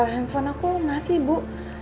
handphone aku mati bu